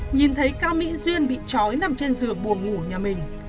nhìn thấy cao mỹ duyên bị trói nằm trên giường buồn ngủ ở nhà mình